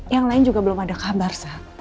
yang lain juga belum ada kabar